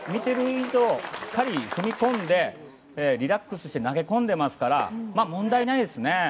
以上しっかり踏み込んでリラックスして投げ込んでいますから問題ないですよね。